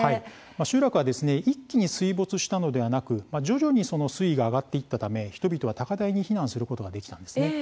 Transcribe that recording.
集落は一気に水没したのではなく徐々にその水位が上がっていったため人々は高台に避難することができたんですね。